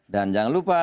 dan jangan lupa